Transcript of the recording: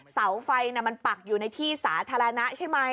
เสาไฟมันปักอยู่ในที่สาธารณะใช่ไหม